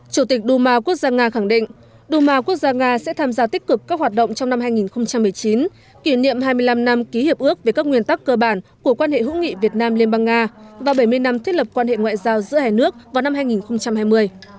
chủ tịch đu ma quốc gia nga khẳng định duma quốc gia nga sẽ tham gia tích cực các hoạt động trong năm hai nghìn một mươi chín kỷ niệm hai mươi năm năm ký hiệp ước về các nguyên tắc cơ bản của quan hệ hữu nghị việt nam liên bang nga và bảy mươi năm thiết lập quan hệ ngoại giao giữa hai nước vào năm hai nghìn hai mươi